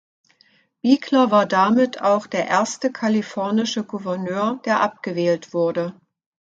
Bigler war damit auch der erste kalifornische Gouverneur, der abgewählt wurde.